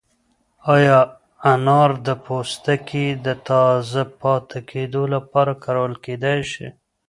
ایا انار د پوستکي د تازه پاتې کېدو لپاره کارول کیدای شي؟